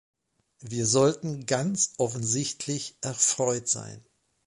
Wir sollten ganz offensichtlich erfreut sein.